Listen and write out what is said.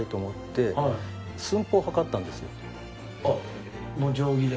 あっもう定規で？